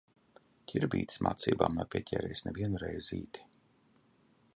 Ķirbītis mācībām nav pieķēries nevienu reizīti.